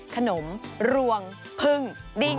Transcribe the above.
ขนมรวงพึ่งดิ้ง